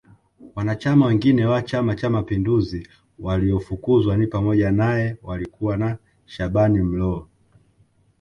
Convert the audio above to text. Wanachama wengine wa chama cha mapinduzi waliofukuzwa ni pamoja nae walikuwa ni Shaban Mloo